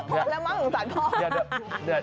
ช็อตแล้วมั้งของสาวพ่อ